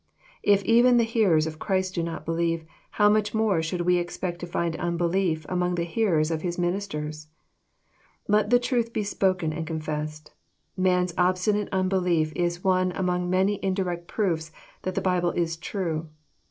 If even the hearers of Christ did not believe, how much more should we expect to find unbelief among the hearers of His ministers I Let the truth be spoken and confessed. Man's obstinate unbelief is one among many indirect proofs that the Bible is true.